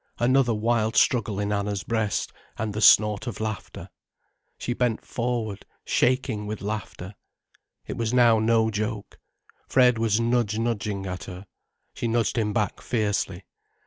Another wild struggle in Anna's breast, and the snort of laughter. She bent forward shaking with laughter. It was now no joke. Fred was nudge nudging at her. She nudged him back fiercely.